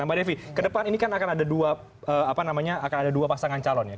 mbak devi ke depan ini kan akan ada dua pasangan calon ya